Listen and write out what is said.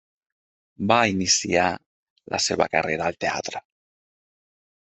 Va iniciar la seva carrera al teatre.